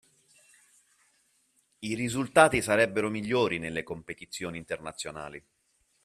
I risultati sarebbero migliori nelle competizioni internazionali.